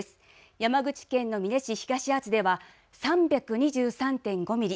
山口県の美祢市東厚保では３２３．５ミリ